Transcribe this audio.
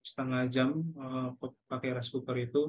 setengah jam pakai rice cooper itu